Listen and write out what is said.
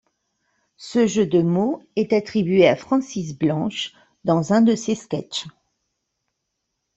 Ce jeu de mots est attribué à Francis Blanche dans un de ses sketches.